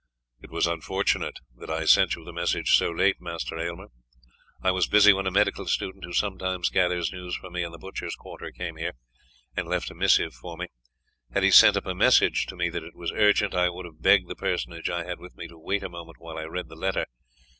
"It was unfortunate that I sent you the message so late, Master Aylmer. I was busy when a medical student who sometimes gathers news for me in the butchers' quarter came here, and left a missive for me. Had he sent up a message to me that it was urgent, I would have begged the personage I had with me to wait a moment while I read the letter.